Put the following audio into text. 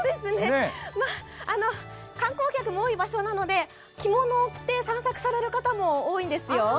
観光客も多い場所なので着物を着て散策される方も多いんですよ。